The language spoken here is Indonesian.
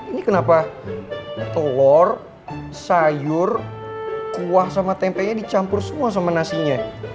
ini kenapa telur sayur kuah sama tempenya dicampur semua sama nasinya